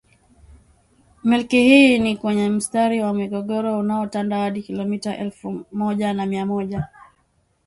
Milki hii ni kwenye mstari wa migogoro unaotanda hadi kilomita elfu moja na mia moja